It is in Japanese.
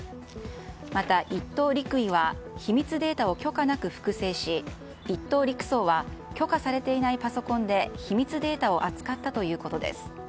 また、１等陸尉は秘密データを許可なく複製し１等陸曹は許可されていないパソコンで秘密データを扱ったということです。